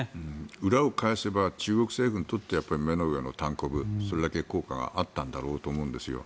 裏を返せば中国政府にとっては目の上のたんこぶそれだけ効果があったんだろうと思うんです。